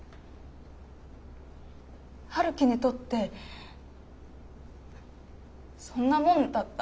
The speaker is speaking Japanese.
陽樹にとってそんなもんだった？